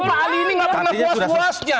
pak ali ini nggak pernah puas puasnya